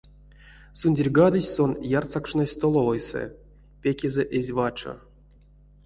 Сундерьгадозь сон ярсакшнось столовойсэ, пекезэ эзь вачо.